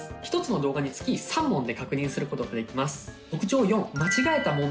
一つの動画につき３問で確認することができます。